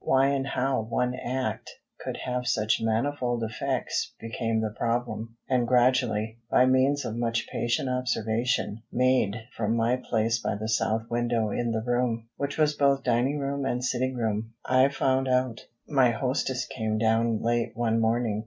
Why and how one act could have such manifold effects became the problem, and gradually, by means of much patient observation made from my place by the south window in the room, which was both dining room and sitting room, I found out. My hostess came down late one morning.